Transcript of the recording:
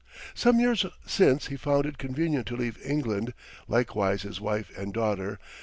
Some years since he found it convenient to leave England, likewise his wife and daughter.